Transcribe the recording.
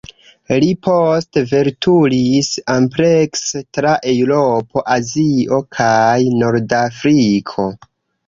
Li poste veturis amplekse, tra Eŭropo, Azio kaj Nordafriko.